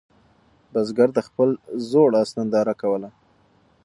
بزګر د خپل زوړ آس ننداره کوله.